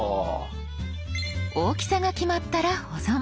大きさが決まったら保存。